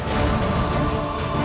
ya ini udah berakhir